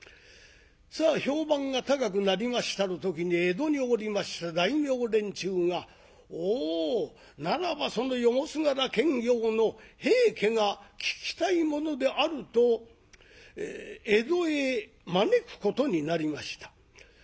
さあ評判が高くなりましたる時に江戸におりました大名連中が「おおならばその夜もすがら検校の『平家』が聞きたいものである」と江戸へ招くことになりました。